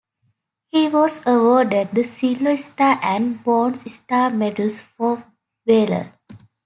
He was awarded the Silver Star and Bronze Star medals for valor.